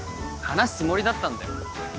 話すつもりだったんだよ。